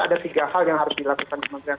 ada tiga hal yang harus dilakukan oleh menteri agama